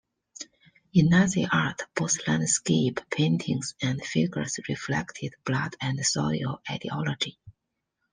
In Nazi art, both landscape paintings and figures reflected "blood-and-soil" ideology.